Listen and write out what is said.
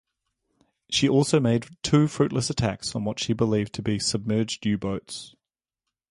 She also made two fruitless attacks on what she believed to be submerged U-boats.